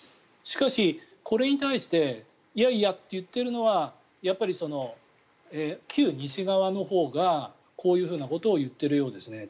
しかし、これに対していやいやと言っているのは旧西側のほうがこういうことを言っているようです。